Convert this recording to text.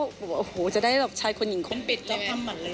โอ้โหจะได้ชายควรหญิงควร